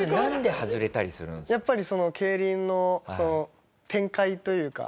やっぱりその競輪の展開というか。